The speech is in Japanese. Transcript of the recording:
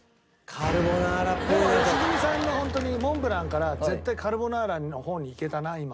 もう良純さんのホントにモンブランから絶対カルボナーラの方にいけたな今は。